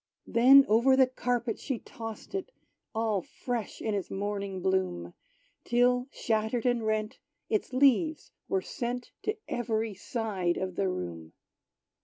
Then over the carpet she tossed it, All fresh in its morning bloom, Till, shattered and rent, its leaves were sent To every side of the room.